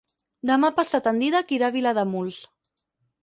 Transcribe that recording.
Demà passat en Dídac irà a Vilademuls.